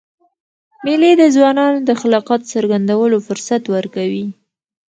مېلې د ځوانانو د خلاقیت څرګندولو فرصت ورکوي.